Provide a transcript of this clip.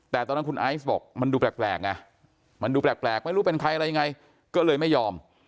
แต่ตอนนั้นคุณไอซ์บอกมันดูแปลกไงมันดูแปลกไม่รู้เป็นใครอะไรยังไงก็เลยไม่ยอม